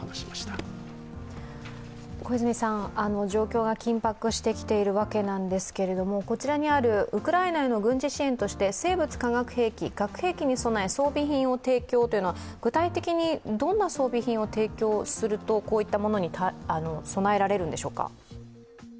状況が緊迫してきているわけなんですけれども、こちらにあるウクライナへの軍事支援として、生物・化学兵器、核兵器に備え装備品を提供というのは具体的にどんな装備品を提供するとこういったものに備えられるんでしょうか。